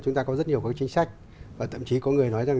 chúng ta có rất nhiều các chính sách và thậm chí có người nói rằng